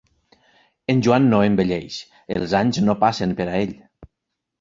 En Joan no envelleix: els anys no passen per a ell.